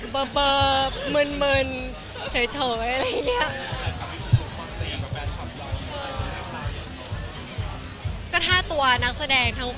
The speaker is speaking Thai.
เบอร์มึนเฉยอะไรอย่างนี้